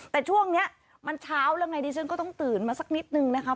แต่ช่วงนี้มันเช้าแล้วไงดิฉันก็ต้องตื่นมาสักนิดนึงนะคะ